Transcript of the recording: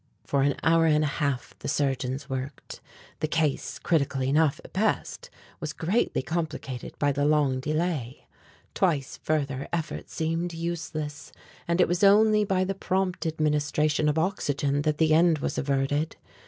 For an hour and a half the surgeons worked. The case, critical enough at best, was greatly complicated by the long delay. Twice further effort seemed useless, and it was only by the prompt administration of oxygen that the end was averted.